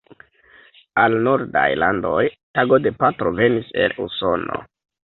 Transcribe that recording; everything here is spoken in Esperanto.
Al Nordaj landoj tago de patro venis el Usono.